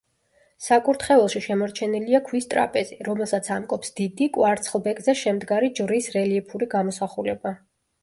საკურთხეველში შემორჩენილია ქვის ტრაპეზი, რომელსაც ამკობს დიდი, კვარცხლბეკზე შემდგარი ჯვრის რელიეფური გამოსახულება.